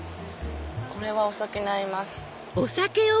これはお酒に合います。